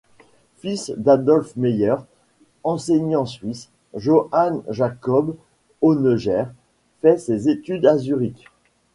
Fils d'Adolf Meyer, enseignant suisse, Johann Jakob Honneger fait ses études à Zurich.